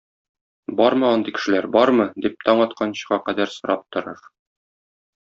Бармы андый кешеләр, бармы? - дип, таң атканчыга кадәр сорап торыр.